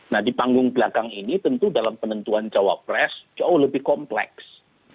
nah di panggung belakang ini tentu dalam penentuan cawapres jauh lebih kompleks